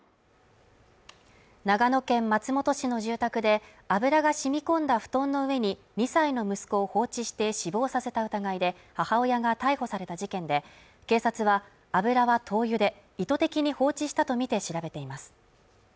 長野県松本市の住宅で油が染み込んだ布団の上に２歳の息子を放置して死亡させた疑いで母親が逮捕された事件で、警察は油は灯油で意図的に放置したとみて調べています。